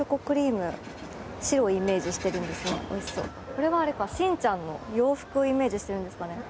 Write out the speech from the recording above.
これはあれかしんちゃんの洋服をイメージしてるんですかね。